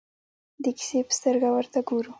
د کیسې په سترګه ورته ګورو.